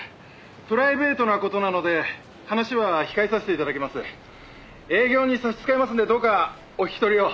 プライベートな事なので話は控えさせて頂きます」「営業に差し支えますのでどうかお引き取りを」